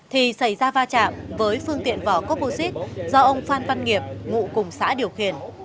thì xảy ra va chạm với phương tiện vỏ composite do ông phan văn nghiệp ngụ cùng xã điều khiển